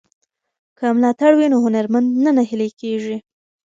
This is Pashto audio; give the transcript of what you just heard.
که ملاتړ وي نو هنرمند نه نهیلی کیږي.